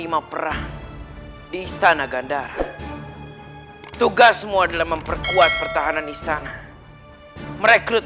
lima perah di istana ganda tugas semua adalah memperkuat pertahanan istana merekrut